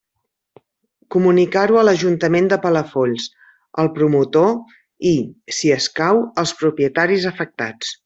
Comunicar-ho a l'Ajuntament de Palafolls, al promotor i, si escau, als propietaris afectats.